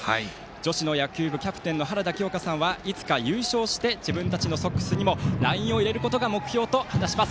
女子の野球部キャプテンのはらだきょうかさんはいつか優勝して自分たちのソックスにもラインを入れることが目標と話します。